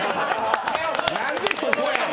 なんでそこやねん！